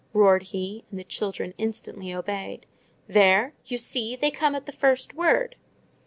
roared he; and the children instantly obeyed. "There, you see!—they come at the first word!"